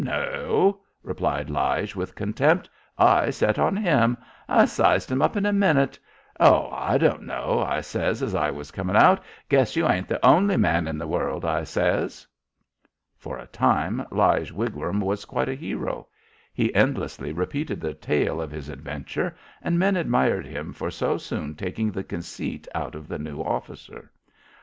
No," replied Lige, with contempt "I set on him. I sized 'im up in a minute. 'Oh, I don't know,' I says, as I was comin' out; 'guess you ain't the only man in the world,' I says." For a time Lige Wigram was quite a hero. He endlessly repeated the tale of his adventure, and men admired him for so soon taking the conceit out of the new officer.